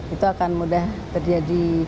itu akan mudah terjadi